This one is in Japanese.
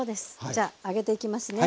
じゃあ揚げていきますね。